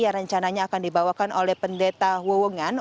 yang rencananya akan dibawakan oleh pendeta wowongan